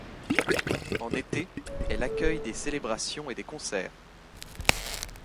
En été, elle accueille des célébrations et des concerts.